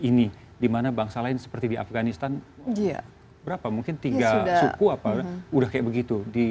ini dimana bangsa lain seperti di afganistan oh iya berapa mungkin tiga suku apa udah kayak begitu di